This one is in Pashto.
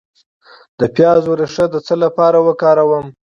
د پیاز ریښه د څه لپاره وکاروم؟